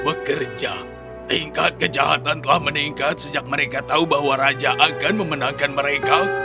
bekerja tingkat kejahatan telah meningkat sejak mereka tahu bahwa raja akan memenangkan mereka